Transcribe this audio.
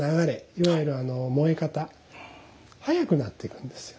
いわゆる燃え方速くなっていくんですよ。